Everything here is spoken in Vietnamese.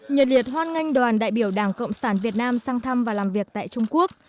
nhật liệt hoan nghênh đoàn đại biểu đảng cộng sản việt nam sang thăm và làm việc tại trung quốc